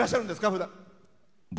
ふだん。